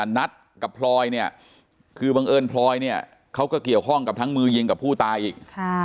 นัทกับพลอยเนี่ยคือบังเอิญพลอยเนี่ยเขาก็เกี่ยวข้องกับทั้งมือยิงกับผู้ตายอีก